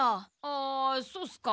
あっそうっすか。